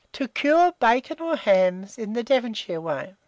TO CURE BACON OR HAMS IN THE DEVONSHIRE WAY.